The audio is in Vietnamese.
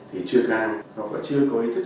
thì chưa cao hoặc là chưa có ý thức